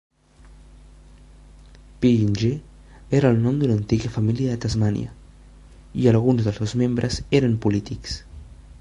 Pillinger era el nom d'una antiga família de Tasmània, i alguns dels seus membres eren polítics.